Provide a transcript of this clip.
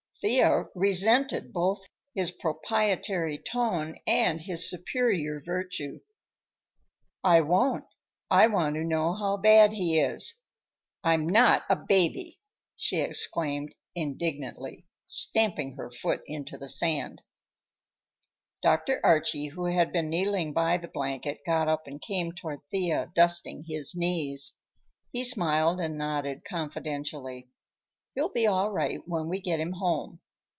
Thea resented both his proprietary tone and his superior virtue. "I won't. I want to know how bad he is. I'm not a baby!" she exclaimed indignantly, stamping her foot into the sand. Dr. Archie, who had been kneeling by the blanket, got up and came toward Thea, dusting his knees. He smiled and nodded confidentially. "He'll be all right when we get him home.